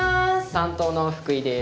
担当の福井です。